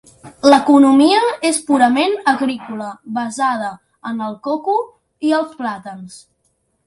L'economia és purament agrícola, basada en el coco i els plàtans.